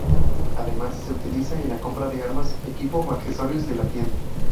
Además, se utilizan en la compra de armas, equipo o accesorios de la tienda.